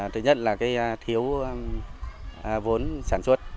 thứ nhất là cái thiếu vốn sản xuất